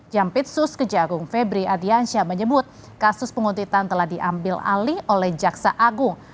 jampitsus kejagung febri adiansyah menyebut kasus penguntitan telah diambil alih oleh jaksa agung